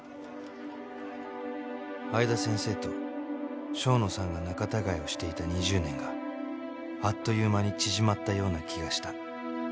相田先生と正野さんが仲たがいをしていた２０年があっという間に縮まったような気がした